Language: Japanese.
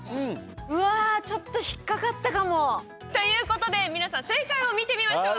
うわちょっとということで皆さん正解を見てみましょう。